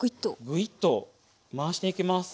グイッと回していきます。